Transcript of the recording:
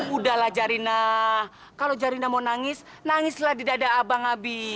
udahlah zarina kalo zarina mau nangis nangislah di dada abang abi